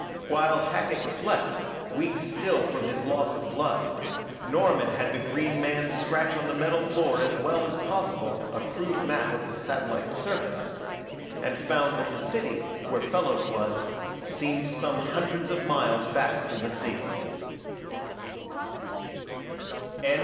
While Hackett slept, weak still from his loss of blood, Norman had the green man scratch on the metal floor as well as possible a crude map of the satellite's surface, and found that the city, where Fellows was, seemed some hundreds of miles back from the sea.